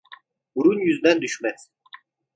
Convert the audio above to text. Burun yüzden düşmez.